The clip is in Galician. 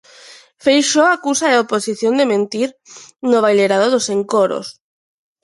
Feixóo acusa a oposición de mentir no baleirado dos encoros.